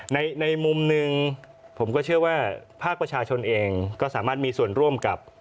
ในมุมหนึ่งผมก็เชื่อว่าภาคประชาชนเองก็สามารถมีส่วนร่วมกับ